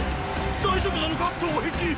大丈夫なのか東壁！